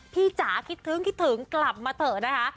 พี่หมาขนาดคิดคืนคิดถึงกลับมาเถอะนะคะ